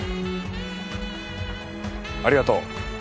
ありがとう。